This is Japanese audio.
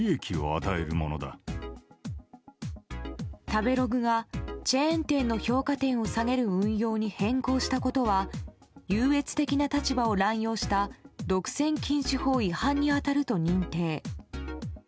食べログがチェーン店の評価点を下げる運用に変更したことは優越的な立場を乱用した独占禁止法違反に当たると認定。